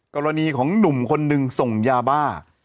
กรณีของหนุ่มคนหนึ่งส่งยาบ้า